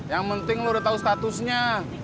yang penting lu udah tahu statusnya